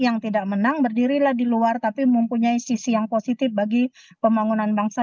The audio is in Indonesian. yang tidak menang berdirilah di luar tapi mempunyai sisi yang positif bagi pembangunan bangsa